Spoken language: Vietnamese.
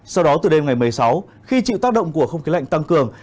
sau đó từ đêm ngày một mươi sáu khi chịu tác động của không khí lạnh tăng cường